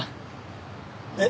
えっ？